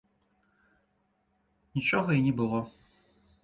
Нічога і не было.